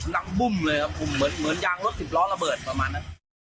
น้ำบุ้มเลยครับผมเหมือนยางรถสิบล้อระเบิดประมาณนั้น